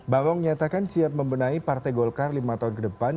bambang menyatakan siap membenahi partai golkar lima tahun ke depan